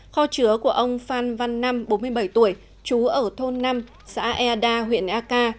kho chứa của ông phan văn năm bốn mươi bảy tuổi trú ở thôn năm xã eda huyện eka